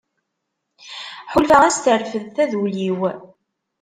Ḥulfaɣ-as terfed taduli-w.